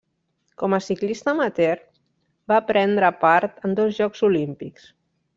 Com a ciclista amateur va prendre part en dos Jocs Olímpics.